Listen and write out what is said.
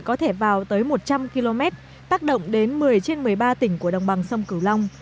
có thể vào tới một trăm linh km tác động đến một mươi trên một mươi ba tỉnh của đồng bằng sông cửu long